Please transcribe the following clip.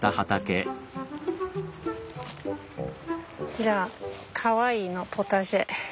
じゃあかわいいのポタジェ。